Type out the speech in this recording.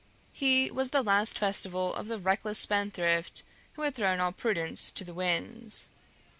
He was the last festival of the reckless spendthrift who has thrown all prudence to the winds.